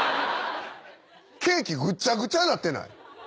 ケーキぐっちゃぐちゃなってない？